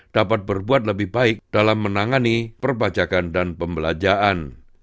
dapat berbuat lebih baik dalam menangani perbajakan dan pembelanjaan